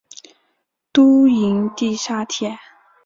都营地下铁